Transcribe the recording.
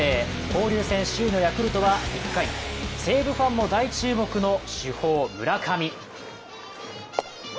交流戦首位のヤクルトは１回西武ファンも大注目の主砲・村上。